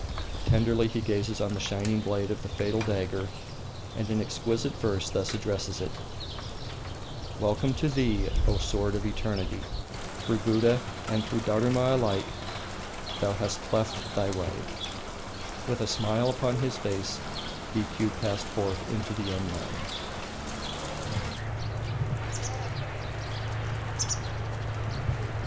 Tenderly he gazes on the shining blade of the fatal dagger, and in exquisite verse thus addresses it: "Welcome to thee, O sword of eternity! Through Buddha And through Dharuma alike Thou hast cleft thy way." With a smile upon his face Rikiu passed forth into the unknown.